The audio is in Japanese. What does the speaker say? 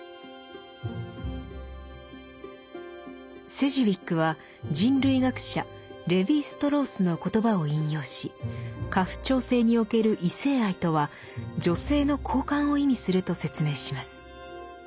セジウィックは人類学者レヴィ＝ストロースの言葉を引用し家父長制における異性愛とは女性の交換を意味すると説明します。